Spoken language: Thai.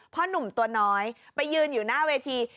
หนุ่มตัวน้อยไปยืนอยู่หน้าเวที